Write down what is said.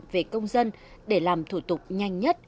về công dân để làm thủ tục nhanh nhất